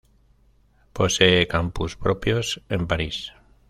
Posee campus propios en París.